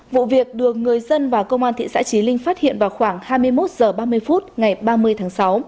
vụ việc được người dân và công an thị xã trí linh phát hiện vào khoảng hai mươi một h ba mươi phút ngày ba mươi tháng sáu